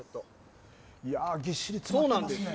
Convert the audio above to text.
ぎっしり詰まってますね。